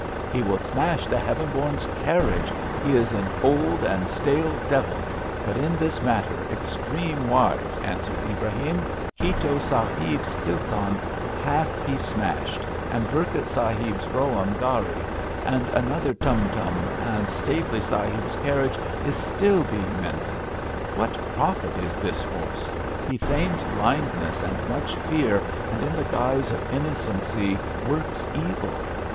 '*'* He will smash the Heaven bom's carriage. He is an old and stale devil, but in this matter extreme wise,'' answered Ibrahim. Kitto sa 96 ABAFT THE FUNNEL hib's filton hath he smashed, and Burkitt sahib's brougham gharri, and another tum tum, and Staveley sahib's carriage is still being mended. What profit is this horse? He feigns blindness and much fear, and in the guise of innocency works evil.